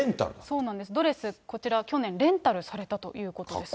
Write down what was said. そうなんです、ドレス、こちら去年レンタルされたということですね。